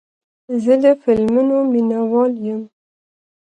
زه د فلمونو مینهوال یم.